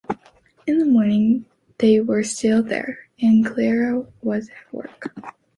In the morning they were still there, and Clara was at work.